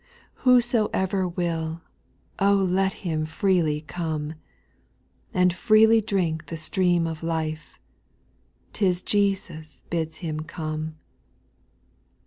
whosoever will, O let him freely Come, And freely drink the stream of life ; *T is Jesus bids him Come.